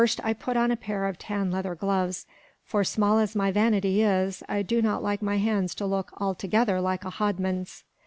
I put on a pair of tan leather gloves; for small as my vanity is, I do not like my hands to look altogether like a hodman's.